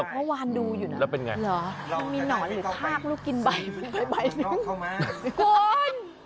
เมื่อวานดูอยู่นะแล้วเป็นไงมันมีหนอนหรือทากลูกกินใบหนึ่งคุณ